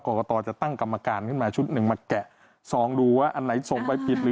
กรกตจะตั้งกรรมการขึ้นมาชุดหนึ่งมาแกะซองดูว่าอันไหนส่งไปผิด